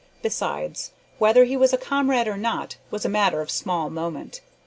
Besides, whether he were a comrade or not was a matter of small moment.